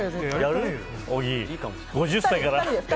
５０歳から？